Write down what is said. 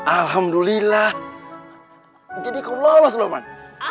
alhamdulillah jadi kau lolos lohman